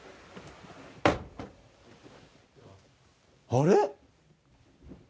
あれ！？